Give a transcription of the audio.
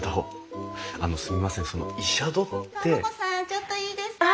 ちょっといいですか？